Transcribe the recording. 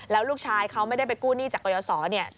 แล้วลูกชายเขาไม่ได้ไปกู้หนี้จากกรยศรเนี่ย